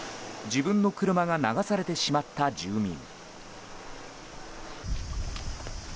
自分の車が流されてしまった住民。